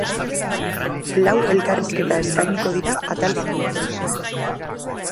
Lau elkarrizketa eskainiko dira atal bakoitzean.